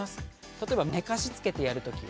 例えば寝かしつけてやるときは。